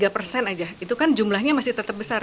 tiga persen aja itu kan jumlahnya masih tetap besar